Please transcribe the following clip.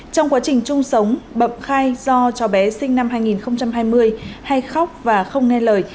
trong quá trình chung sống bậm khai do cho bé sinh năm hai nghìn hai mươi hay khóc và không nghe lời